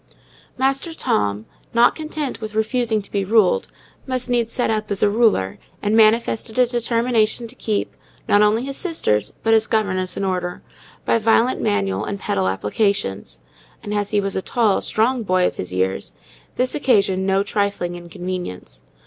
Master Tom, not content with refusing to be ruled, must needs set up as a ruler, and manifested a determination to keep, not only his sisters, but his governess in order, by violent manual and pedal applications; and, as he was a tall, strong boy of his years, this occasioned no trifling inconvenience.